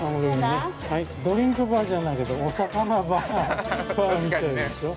ドリンクバーじゃないけどお魚バーみたいでしょう。